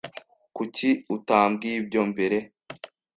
Kuki utambwiye ibyo mbere?